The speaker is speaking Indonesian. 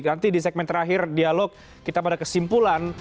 nanti di segmen terakhir dialog kita pada kesimpulan